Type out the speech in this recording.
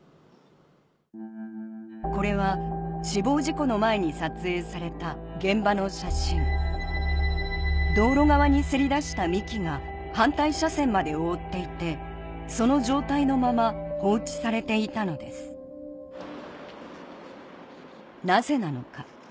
これは死亡事故の前に撮影された現場の写真道路側にせり出した幹が反対車線まで覆っていてその状態のまま放置されていたのですなぜなのか？